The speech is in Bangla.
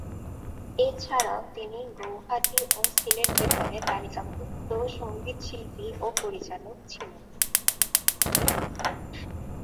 এছাড়াও তিনি গৌহাটি ও সিলেট বেতারের তালিকাভূক্ত সংগীত শিল্পী ও পরিচালক ছিলেন।